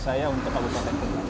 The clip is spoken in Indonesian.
saya untuk agung agung teknik